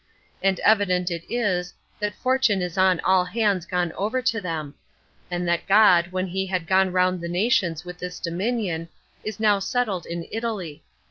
And evident it is that fortune is on all hands gone over to them; and that God, when he had gone round the nations with this dominion, is now settled in Italy.